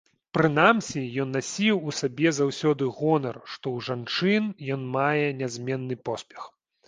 Прынамсі, ён насіў у сабе заўсёды гонар, што ў жанчын ён мае нязменны поспех.